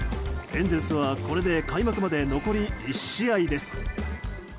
エンゼルスはこれで開幕まで残り１試合です。